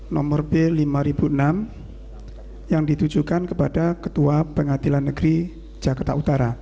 nomor b lima ribu enam yang ditujukan kepada ketua pengadilan negeri jakarta utara